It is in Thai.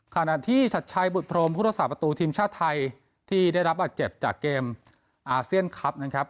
ขณะที่ชัดชัยบุตรพรมพุทธศาสประตูทีมชาติไทยที่ได้รับบาดเจ็บจากเกมอาเซียนคลับนะครับ